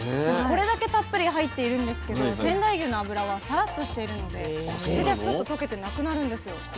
これだけたっぷり入っているんですけど仙台牛の脂はサラッとしているので口でスッと溶けてなくなるんですよ。